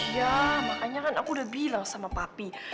ya makanya kan aku udah bilang sama papi